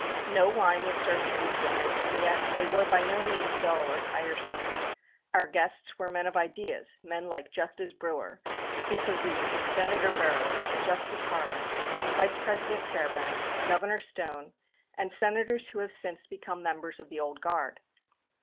No wine was served at these dinners, and yet they were by no means dull or tiresome. Our guests were men of ideas, men like Justice Brewer, Speaker Reed, Senator Burrows, Justice Harlan, Vice President Fairbanks, Governor Stone, and Senators who have since become members of the old guard.